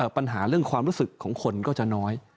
ปัญหาเรื่องความรู้สึกของคนก็จะน้อย